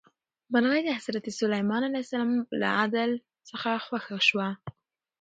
مرغۍ د حضرت سلیمان علیه السلام له عدل څخه خوښه شوه.